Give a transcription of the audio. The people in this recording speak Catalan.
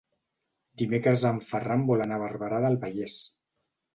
Dimecres en Ferran vol anar a Barberà del Vallès.